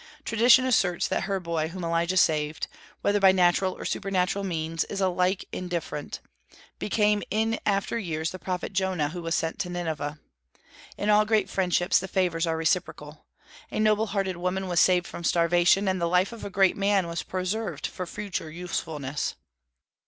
Tradition asserts that her boy, whom Elijah saved, whether by natural or supernatural means, it is alike indifferent, became in after years the prophet Jonah, who was sent to Nineveh. In all great friendships the favors are reciprocal. A noble hearted woman was saved from starvation, and the life of a great man was preserved for future usefulness.